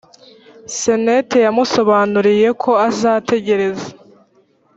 senete yamusobanuriye ko azategereza